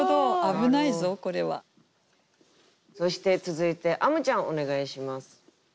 なるほどそして続いてあむちゃんお願いします。